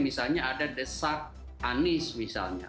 misalnya ada desak anies misalnya